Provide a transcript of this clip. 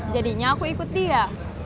jadinya aku ikut dia